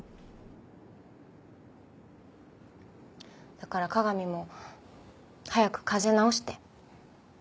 だから加賀美も早く風邪治して。